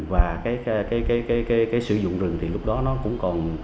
và cái sử dụng rừng